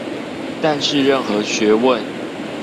但是任何學問